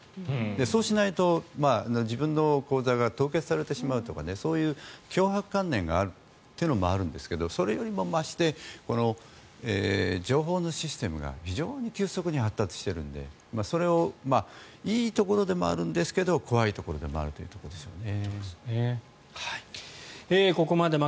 そうしないと自分の口座が凍結されてしまうとかそういう強迫観念があるというのもあるんですがそれよりも増してこの情報のシステムが非常に急速に発達しているのでそれがいいところでもあるんですが怖いところでもあるんでしょうね。